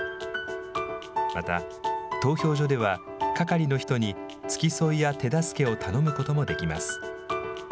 また、投票所では係の人に付き添いや手助けを頼むこともできます。